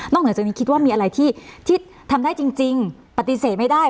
เหนือจากนี้คิดว่ามีอะไรที่ทำได้จริงปฏิเสธไม่ได้